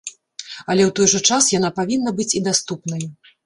Але ў той жа час яна павінна быць і даступнай.